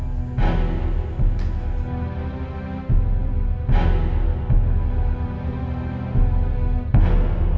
aku ingin berbicara dengan mereka